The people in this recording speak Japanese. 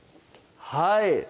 はい